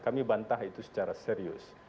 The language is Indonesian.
kami bantah itu secara serius